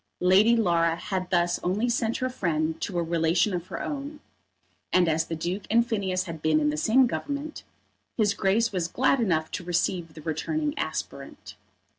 Lady Laura had thus only sent her friend to a relation of her own, and as the Duke and Phineas had been in the same Government, his Grace was glad enough to receive the returning aspirant.